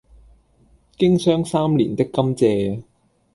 經霜三年的甘蔗，